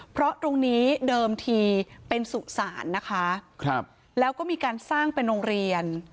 เพราะตรงนี้เดิมทีเป็นสุสานนะคะครับแล้วก็มีการสร้างเป็นโรงเรียน